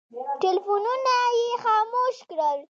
ټلفونونه یې خاموش کړل.